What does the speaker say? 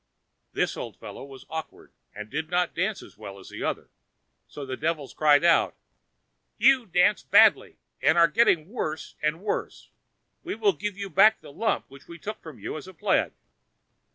This old fellow was awkward, and did not dance as well as the other, so the devils cried out: "You dance badly, and are getting worse and worse; we will give you back the lump which we took from you as a pledge."